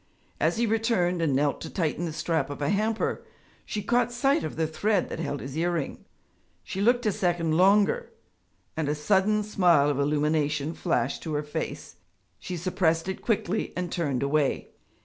As he returned and knelt to tighten the strap of a hamper, she caught sight of the thread that held his earring. She looked a second longer, and a sudden smile of illumination flashed to her face. She suppressed it quickly and turned away.